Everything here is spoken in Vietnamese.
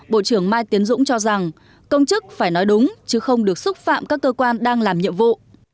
bộ trưởng mai tiến dũng cho rằng công chức phải nói đúng chứ không được xúc phạm các cơ quan đang làm nhiệm vụ